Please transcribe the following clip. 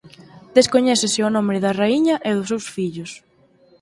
Descoñécese o nome da raíña e o dos seus fillos.